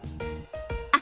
あっ